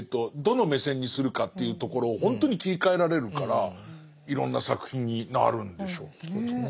どの目線にするかというところをほんとに切り替えられるからいろんな作品になるんでしょうきっと。